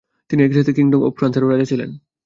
তিনি একই সাথে কিংডম অফ ফ্রান্সেরও রাজা ছিলেন।